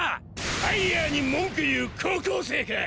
ハイヤーに文句言う高校生か！